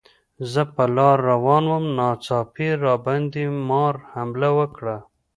زه په لاره روان وم، ناڅاپي راباندې مار حمله وکړه.